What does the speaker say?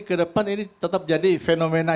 ke depan ini tetap jadi fenomena